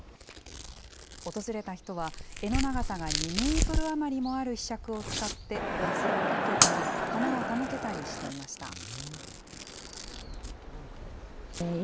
訪れた人は、柄の長さが２メートル余りもあるひしゃくを使って、水をかけたり、花を手向けたりしていました。